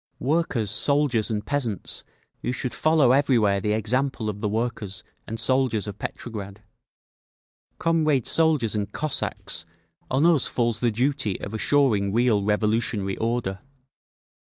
Workers, soldiers and peasants, you should follow everywhere the example of the workers and soldiers of Petrograd. Comrade soldiers and Cossacks, on us falls the duty of assuring real revolutionary order.